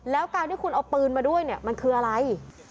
แล้วการที่คุณเอาปืนมาด้วยเนี่ยมันคืออะไร